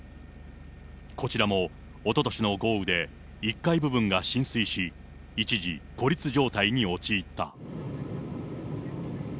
こちらも、おととしの豪雨で１階部分が浸水し、一時、孤立状態に陥った。